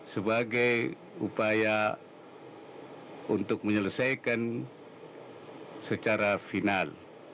sebagai upaya untuk menyelesaikan secara final